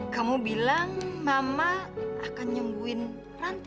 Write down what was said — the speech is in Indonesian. kamu bilang mama akan nyembuhin ranti